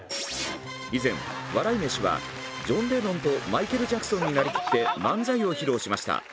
以前笑い飯はジョン・レノンとマイケル・ジャクソンになりきって漫才を披露しました。